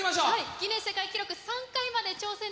ギネス世界記録、３回まで挑